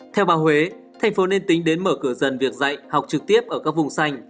theo bà huế thành phố nên tính đến mở cửa dần việc dạy học trực tiếp ở các vùng xanh